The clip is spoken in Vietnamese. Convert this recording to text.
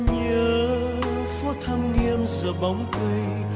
nhớ phố thăm nghiêm giữa bóng cây